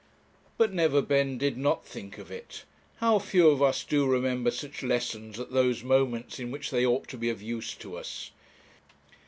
But Neverbend did not think of it. How few of us do remember such lessons at those moments in which they ought to be of use to us!